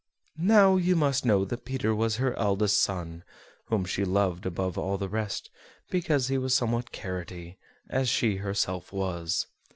Now, you must know that Peter was her eldest son, whom she loved above all the rest, because he was somewhat carroty, as she herself was.